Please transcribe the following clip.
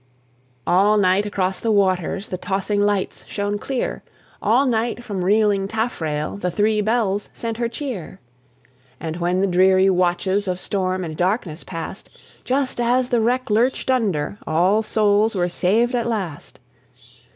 All night across the waters The tossing lights shone clear; All night from reeling taffrail The Three Bells sent her cheer. And when the dreary watches Of storm and darkness passed, Just as the wreck lurched under, All souls were saved at last.